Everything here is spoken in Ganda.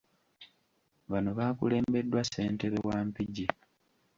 Bano baakulembeddwa ssentebe wa Mpigi.